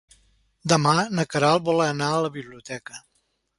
Demà na Queralt vol anar a la biblioteca.